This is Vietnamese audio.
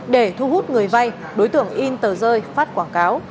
để thu hút người vay đối tượng in tờ rơi phát quảng cáo